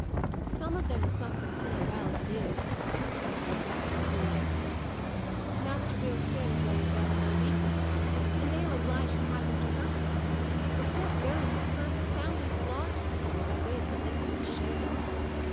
"Some of them are suffering pretty well, as it is," he continued, after a brief pause. "Master Bill Simms lay in bed for a week with fright, and they were obliged to have Mr. Hurst to him. Report goes, that Hurst soundly flogged his son, by way of commencing his share."